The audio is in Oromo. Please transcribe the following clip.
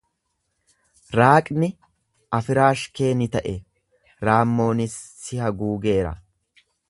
Raaqni afiraash kee ni ta’e, raammoonis si haguugeera.